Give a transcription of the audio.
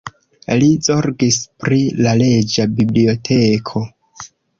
Li zorgis pri la reĝa biblioteko.